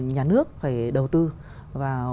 nhà nước phải đầu tư vào